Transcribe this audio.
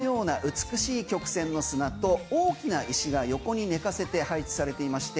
川の流れのような美しい曲線の砂と大きな石が横に寝かせて配置されていまして